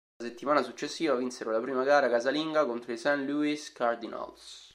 La settimana successiva vinsero la prima gara casalinga contro i St. Louis Cardinals.